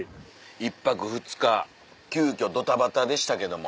１泊２日急きょドタバタでしたけども。